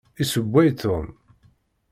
Issewway Tom.